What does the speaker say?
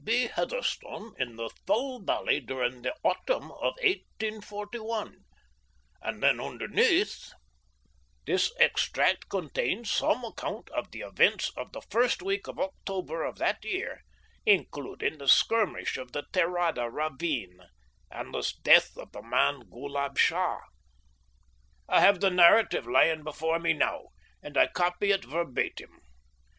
B. Heatherstone in the Thull Valley during the autumn of 1841," and then underneath: This extract contains some account of the events of the first week of October of that year, including the skirmish of the Terada ravine and the death of the man Ghoolab Shah. I have the narrative lying before me now, and I copy it verbatim.